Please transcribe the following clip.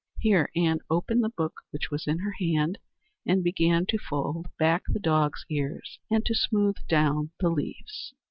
Here Ann opened the book which was in her hand, and began to fold back the dog's ears and to smooth down the leaves.